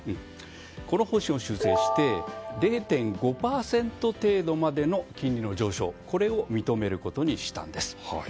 この方針を修正して０．５％程度までの金利の上昇を認めることにしたんです。